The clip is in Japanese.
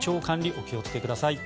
お気をつけください。